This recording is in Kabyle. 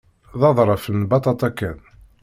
D aḍref n lbaṭaṭa kan.